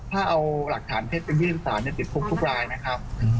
ถ้าเอาหลักฐานเท็จไปยื่นสารติดคุกทุกรายนะครับ